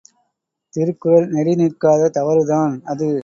திருக்குறள் நெறி நிற்காத தவறுதான் அது.